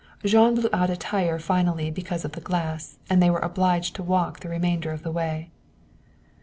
Jean blew out a tire finally, because of the glass, and they were obliged to walk the remainder of the way.